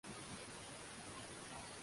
Chai ya babu imemwagika.